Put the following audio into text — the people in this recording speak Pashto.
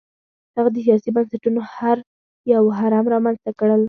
هغه د سیاسي بنسټونو یو هرم رامنځته کړل.